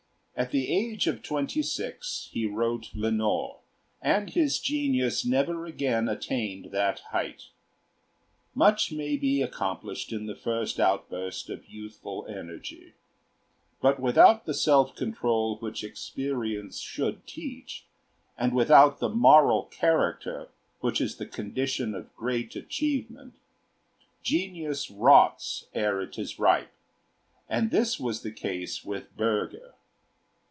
At the age of twenty six he wrote 'Lenore,' and his genius never again attained that height. Much may be accomplished in the first outburst of youthful energy; but without the self control which experience should teach, and without the moral character which is the condition of great achievement, genius rots ere it is ripe; and this was the case with Bürger.